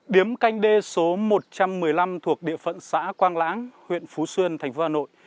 điếm canh đê số một trăm một mươi năm thuộc địa phận xã quang lãng huyện phú xuyên thành phố hà nội